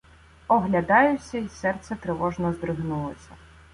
Оглядаюся, й серце тривожно здригнулося.